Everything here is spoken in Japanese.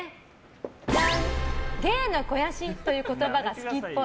芸の肥やしという言葉が好きっぽい。